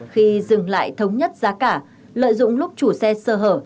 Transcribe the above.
khi dừng lại thống nhất giá cả lợi dụng lúc chủ xe sơ hở